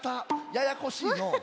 ややこしいのう。